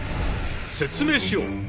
説明しよう。